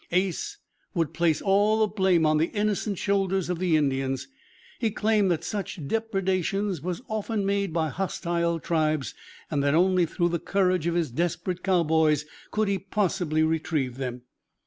Ace would place all the blame on the innocent shoulders of the Indians. He claimed that such depredations were often made by hostile tribes, and that only through the courage of his desperate cowboys could he possibly retrieve them.